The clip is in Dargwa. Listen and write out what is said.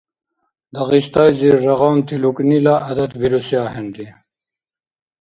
Дагъистайзир рагъамти лукӀнила гӀядат бируси ахӀенри.